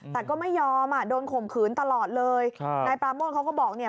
แต่ก็ไม่ยอมอ่ะโดนข่มขืนตลอดเลยครับนายปราโมทเขาก็บอกเนี่ย